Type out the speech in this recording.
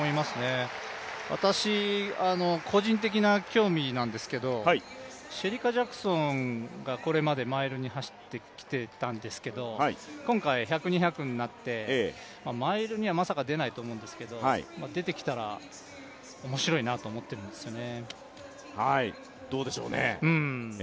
私の個人的な興味なんですけど、シェリカ・ジャクソンがこれまでマイルで走ってきていたんですが、今回１００、２００になってマイルにはまさか出ないと思うんですけれども、出てきたら面白いなと思ってるんですよね。